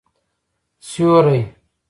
سیوری